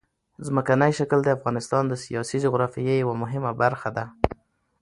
ځمکنی شکل د افغانستان د سیاسي جغرافیه یوه مهمه برخه ده.